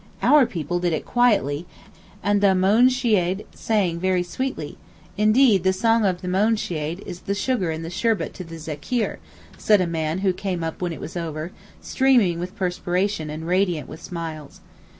Our people did it quietly, and the moonsheed sang very sweetly—indeed 'the song of the moonsheed is the sugar in the sherbet to the Zikkeer,' said a man who came up when it was over, streaming with perspiration and radiant with smiles.